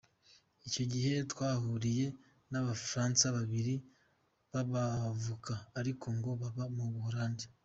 Icyo gihe twahahuriye n’Abafaransa babiri b’abavoka ariko ngo baba mu Buholandi.